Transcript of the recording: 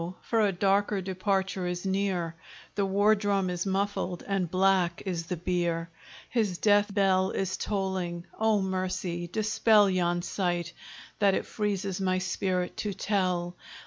for a darker departure is near; The war drum is muffled, and black is the bier; His death bell is tolling: O Mercy, dispel Yon sight, that it freezes my spirit to tell!